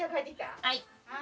はい。